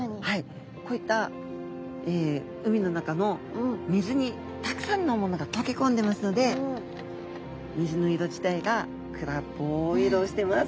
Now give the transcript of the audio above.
こういった海の中の水にたくさんのものが溶け込んでますので水の色自体が暗っぽい色をしてます。